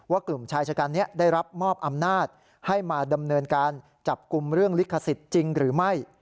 กลุ่มชายชะกันนี้ได้รับมอบอำนาจให้มาดำเนินการจับกลุ่มเรื่องลิขสิทธิ์จริงหรือไม่